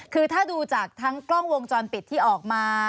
คือถ้าดูจากทั้งกล้องวงจรปิดที่ออกมา